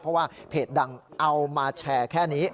เพราะว่าเพจดังเอามาแชร์แค่นี้